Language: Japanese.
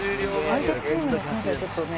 相手チームの選手はちょっとね